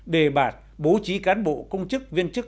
đề bạt bố trí cán bộ công chức viên chức